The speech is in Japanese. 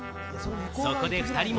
そこで２人も。